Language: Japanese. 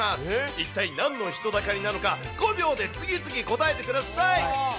一体なんの人だかりなのか、５秒で次々答えてください。